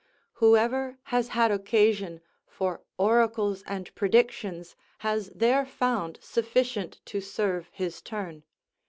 Whoever has had occasion for oracles and predictions has there found sufficient to serve his turn.